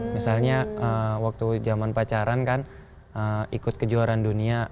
misalnya waktu zaman pacaran kan ikut kejuaraan dunia